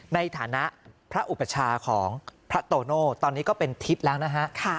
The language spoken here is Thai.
ในฐานะพระอุปชาของพระโตโน่ตอนนี้ก็เป็นทิศแล้วนะฮะ